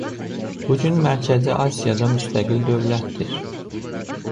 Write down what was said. Bugün Mərkəzi Asiyada müstəqil dövlətdir.